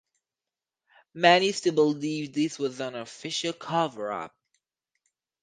Many still believe this was an "official" coverup.